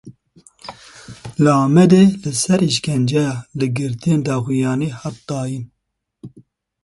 Li Amedê li ser êşkenceya li girtiyan daxuyanî hat dayîn.